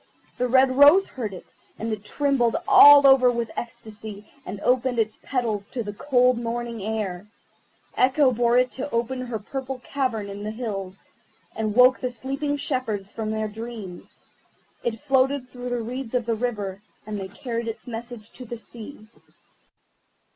The red rose heard it, and it trembled all over with ecstasy, and opened its petals to the cold morning air. Echo bore it to her purple cavern in the hills, and woke the sleeping shepherds from their dreams. It floated through the reeds of the river, and they carried its message to the sea.